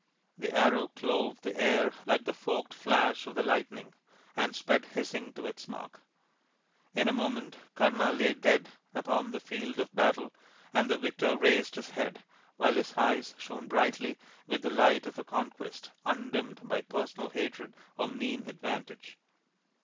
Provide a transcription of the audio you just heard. The arrow clove the air like the forked flash of the lightning, and sped hissing to its mark. In a moment Kama lay dead upon the field of battle, and the victor raised his head, while his eyes shone brightly with the light of a conquest undimmed by personal hatred or mean advantage.